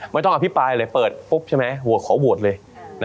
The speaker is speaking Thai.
ไม่ต้องอภิปรายเลยเปิดปุ๊บใช่ไหมขอโหวตเลย